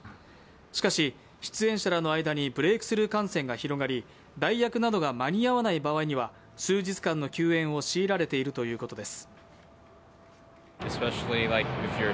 しかし出演者らの間にブレークスルー感染が広がり代役などが間に合わない場合には数日間の休演を強いられているということです。